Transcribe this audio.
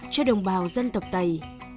cho đồng bào dân tộc tày